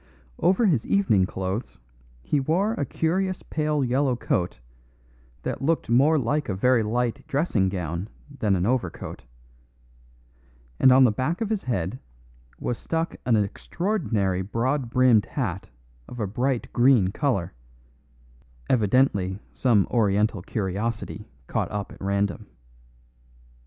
Over his evening clothes he wore a curious pale yellow coat that looked more like a very light dressing gown than an overcoat, and on the back of his head was stuck an extraordinary broad brimmed hat of a bright green colour, evidently some oriental curiosity caught up at random.